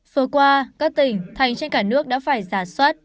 vừa qua các tỉnh thành trên cả nước đã phải giả soát